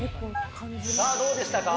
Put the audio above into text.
さあ、どうでしたか？